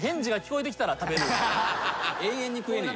永遠に食えねえ。